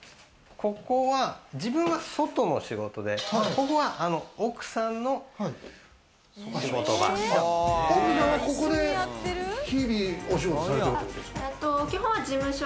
ここは、自分は外の仕事で、ここは奥さんの仕事場。